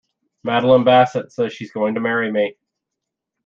Madeline Bassett says she's going to marry me!